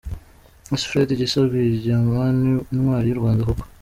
Ese Fred Gisa Rwigema ni intwari y’u Rwanda koko ?